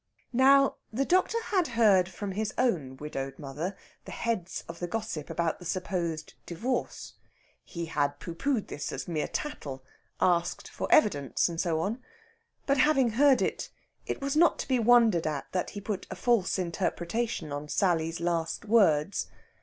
Now, the doctor had heard from his own widowed mother the heads of the gossip about the supposed divorce. He had pooh poohed this as mere tattle asked for evidence, and so on. But, having heard it, it was not to be wondered at that he put a false interpretation on Sally's last words.